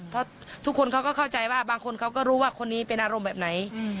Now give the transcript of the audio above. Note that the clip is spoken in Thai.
เพราะทุกคนเขาก็เข้าใจว่าบางคนเขาก็รู้ว่าคนนี้เป็นอารมณ์แบบไหน